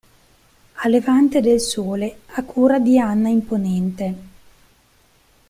A Levante del sole" a cura di Anna Imponente.